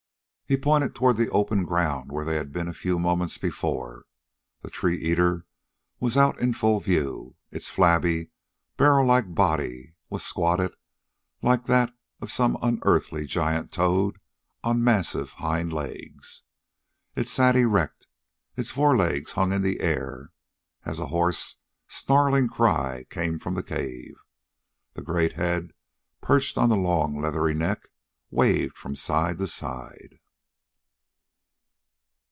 He pointed toward the open ground where they had been a few moments before. The tree eater was out in full view. Its flabby, barrel like body was squatted like that of some unearthly, giant toad, on massive hind legs. It sat erect, its forelegs hung in air, as a hoarse, snarling cry came from the cave. The great head, perched on the long leathery neck, waved from side to side.